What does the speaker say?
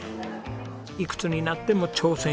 いくつになっても挑戦したい。